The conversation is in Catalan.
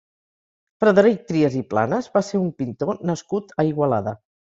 Frederic Trias i Planas va ser un pintor nascut a Igualada.